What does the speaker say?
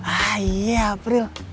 ah iya aprih